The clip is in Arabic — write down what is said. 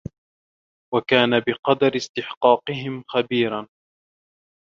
وَكَانَ بِقَدْرِ اسْتِحْقَاقِهِمْ خَبِيرًا